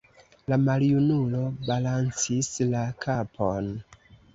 La maljunulo balancis la kapon.